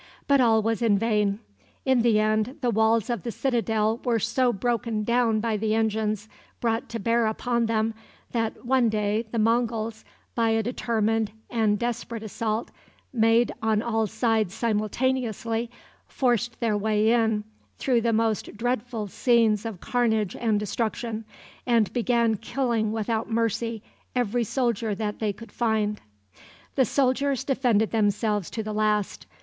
But all was in vain. In the end the walls of the citadel were so broken down by the engines brought to bear upon them, that one day the Monguls, by a determined and desperate assault made on all sides simultaneously, forced their way in, through the most dreadful scenes of carnage and destruction, and began killing without mercy every soldier that they could find. The soldiers defended themselves to the last.